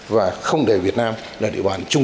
và không để việt nam là địa bàn